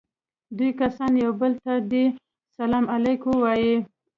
دوه کسان يو بل ته دې سلام عليکم ووايي.